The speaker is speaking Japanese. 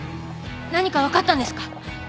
何か分かったんですか？